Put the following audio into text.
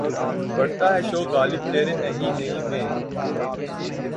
بڑھتا ہے شوق "غالب" تیرے نہیں نہیں میں.